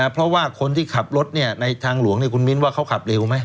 เพราะว่าคนที่ขับรถในทางหลวงคุณมิ้นว่าเขาขับเร็วไหม